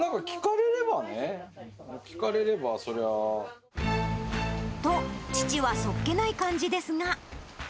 聞かれればね、聞かれれば、と、父はそっけない感じですが。